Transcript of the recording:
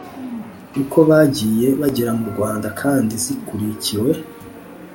uko bagiye bagera mu Rwanda kandi zikurikiw